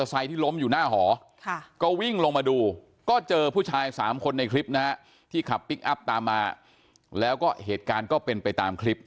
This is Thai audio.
อีกมรมสายที่รมอยู่หน้าหอก็วิ่งลงมาดูก็เจอผู้ชาย๓คนในคลิปที่เขาคับตามมาแล้วก็เหตุการณ์ก็เป็นไปตามคลิป